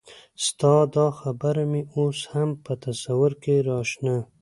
ستا دا خبره مې اوس هم په تصور کې راشنه